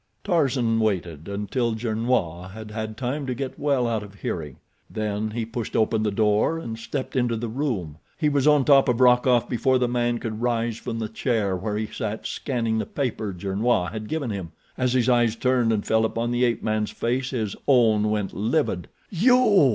Tarzan waited until Gernois had had time to get well out of hearing, then he pushed open the door and stepped into the room. He was on top of Rokoff before the man could rise from the chair where he sat scanning the paper Gernois had given him. As his eyes turned and fell upon the ape man's face his own went livid. "You!"